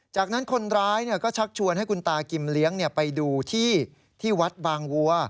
จากนั้นคนร้ายก็ชักชวนให้คุณตากิมเลี้ยงไปดูที่วัดบางวัว